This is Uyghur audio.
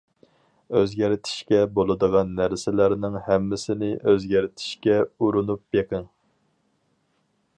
ئۆزگەرتىشكە بولىدىغان نەرسىلەرنىڭ ھەممىسىنى ئۆزگەرتىشكە ئۇرۇنۇپ بېقىڭ.